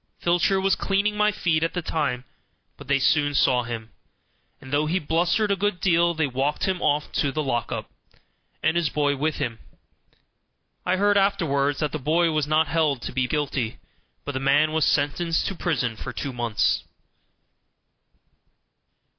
Filcher was cleaning my feet at the time, but they soon saw him, and though he blustered a good deal they walked him off to the "lock up", and his boy with him. I heard afterward that the boy was not held to be guilty, but the man was sentenced to prison for two months.